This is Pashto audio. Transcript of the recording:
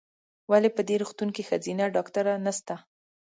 ولې په دي روغتون کې ښځېنه ډاکټره نسته ؟